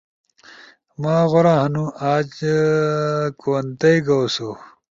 مہ غورا ہنو۔ آج کونتئ گؤ سو۔